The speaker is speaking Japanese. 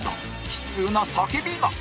悲痛な叫びが